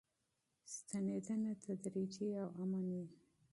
ستنېدنه تدریجي او امن وي.